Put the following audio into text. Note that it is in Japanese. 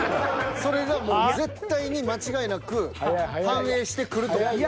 それがもう絶対に間違いなく反映してくると思います。